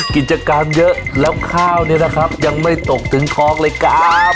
กิจกรรมเยอะแล้วข้าวเนี่ยนะครับยังไม่ตกถึงท้องเลยครับ